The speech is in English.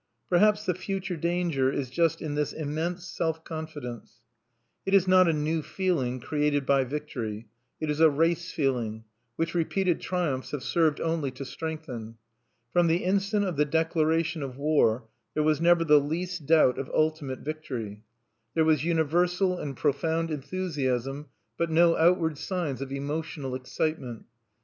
Perhaps the future danger is just in this immense self confidence. It is not a new feeling created by victory. It is a race feeling, which repeated triumphs have served only to strengthen. From the instant of the declaration of war there was never the least doubt of ultimate victory. There was universal and profound enthusiasm, but no outward signs of emotional excitement.